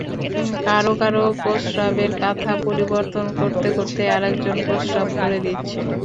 কারও কারও প্রস্রাবের কাঁথা পরিবর্তন করতে করতেই আরেকজন প্রস্রাব করে দিচ্ছে।